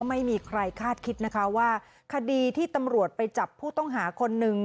ไม่มีใครคาดคิดนะคะว่าคดีที่ตำรวจไปจับผู้ต้องหาคนหนึ่ง